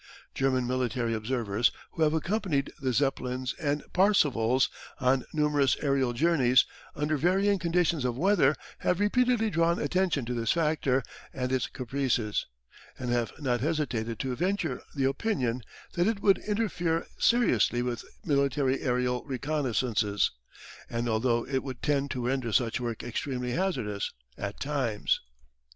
German military observers, who have accompanied the Zeppelins and Parsevals on numerous aerial journeys under varying conditions of weather, have repeatedly drawn attention to this factor and its caprices, and have not hesitated to venture the opinion that it would interfere seriously with military aerial reconnaissances, and also that it would tend to render such work extremely hazardous at times.